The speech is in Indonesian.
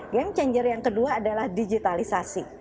game changer yang kedua adalah digitalisasi